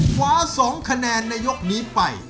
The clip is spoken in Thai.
คว้า๒คะแนนในยกนี้ไป